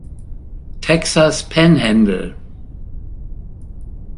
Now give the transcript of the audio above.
Texas Panhandle.